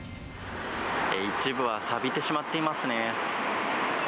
一部はさびてしまっています